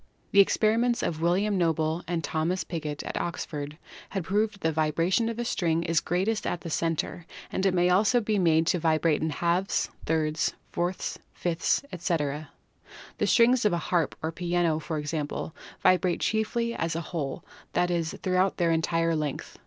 The experiments of William Noble and Thomas Pigott at Oxford had proved that the vibration of a string is greatest at the center and that it may also be made to vibrate in halves, thirds, fourths, fifths, etc. The strings of a harp or piano, for example, vibrate chiefly as a whole — that is, throughout their entire length.